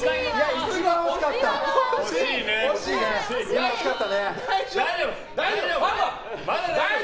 一番惜しかった！